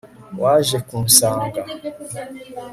waje kunsanga